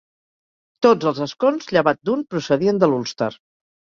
Tots els escons, llevat d'un, procedien de l'Ulster.